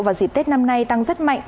vào dịp tết năm nay tăng rất mạnh